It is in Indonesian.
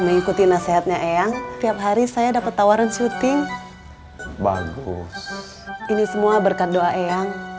mengikuti nasihatnya eyang tiap hari saya dapat tawaran syuting bagus ini semua berkat doa eyang